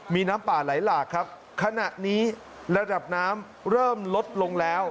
มีน้ำป่าไหลหลากครับขณะนี้ระดับน้ำเริ่มลดลงแล้ว